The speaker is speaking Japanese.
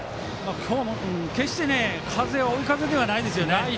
決して追い風ではないですよね。